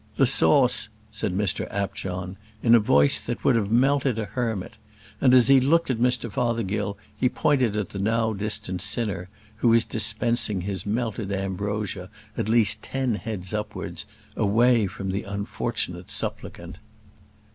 "The sauce!" said Mr Apjohn, in a voice that would have melted a hermit; and as he looked at Mr Fothergill, he pointed at the now distant sinner, who was dispensing his melted ambrosia at least ten heads upwards, away from the unfortunate supplicant.